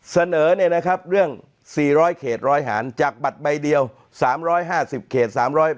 เสนอเนี่ยนะครับเรื่อง๔๐๐เสร็จ๔๐๐หารจากบัตรใบเดียว๓๕๐เสร็จ๓๐๐